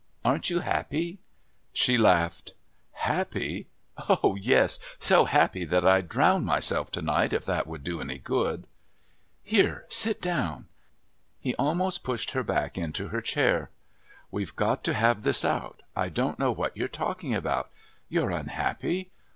Aren't you happy?" She laughed. "Happy? Oh, yes, so happy that I'd drown myself to night if that would do any good." "Here, sit down." He almost pushed her back into her chair. "We've got to have this out. I don't know what you're talking about. You're unhappy?